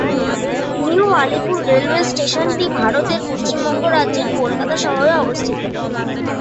New Alipur railway স্টেশনটি ভারতের পশ্চিমবঙ্গ রাজ্যের কলকাতা শহরে অবস্থিত।